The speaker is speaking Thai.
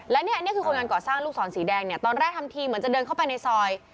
และเนี่ยนี่คือคนงานก่อสร้างลูกศรสีแดงเนี่ยตอนแรกทำทีเหมือนจะเดินเข้าไปในซอย